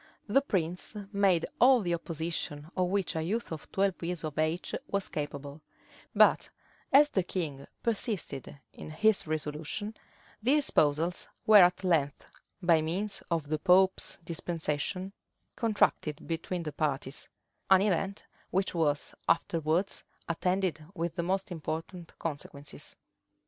The prince made all the opposition of which a youth of twelve years of age was capable; but as the king persisted in his resolution, the espousals were at length, by means of the pope's dispensation, contracted between the parties; an event which was afterwards attended with the most important consequences.